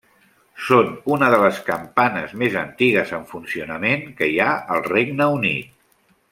Són unes de les campanes més antigues en funcionament que hi ha al Regne Unit.